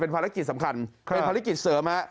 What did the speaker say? ภารกิจสำคัญเป็นภารกิจเสริมฮะ